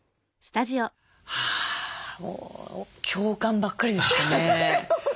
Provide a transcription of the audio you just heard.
はあもう共感ばっかりでしたね。